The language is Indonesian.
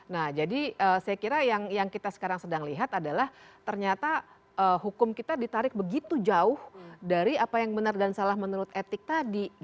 nah jadi saya kira yang kita sekarang sedang lihat adalah ternyata hukum kita ditarik begitu jauh dari apa yang benar dan salah menurut etik tadi